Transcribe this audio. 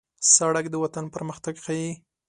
سړک د وطن پرمختګ ښيي.